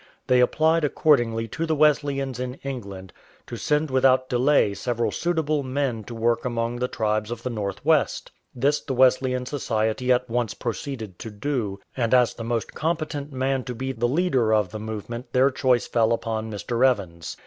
They applied accordingly to the Wesleyans in England to send without delay several suitable men to work among the tribes of the North West. This the Wesleyan Society at once proceeded to do, and as the most competent man to be the leader of the move ment their choice fell upon Mr. Evans.